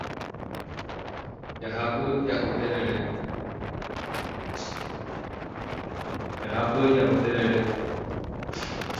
Jahápy ja'u terere